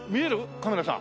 カメラさん。